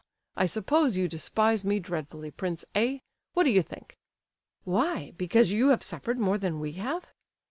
I suppose you despise me dreadfully, prince, eh? What do you think?" "Why? Because you have suffered more than we have?"